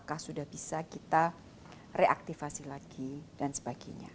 apakah sudah bisa kita reaktivasi lagi dan sebagainya